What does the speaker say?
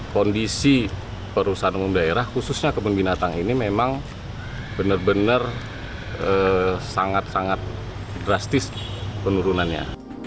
kondisi perusahaan umum daerah khususnya kebun binatang ini memang benar benar sangat sangat drastis penurunannya